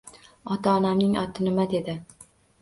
Ota, onamning oti nima? — dedi.